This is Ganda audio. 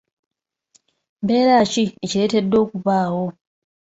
Mbeera ki ekiretedde okubaawo?